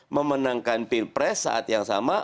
memenangkan pilpres saat yang sama